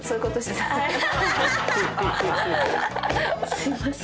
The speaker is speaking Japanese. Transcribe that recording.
すいません。